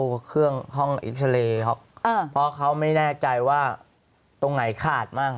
เครื่องห้องเอ็กซาเรย์เพราะเขาไม่แน่ใจว่าตรงไหนขาดมั่ง